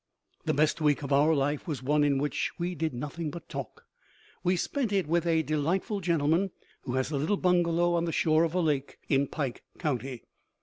The best week of our life was one in which we did nothing but talk. We spent it with a delightful gentleman who has a little bungalow on the shore of a lake in Pike County.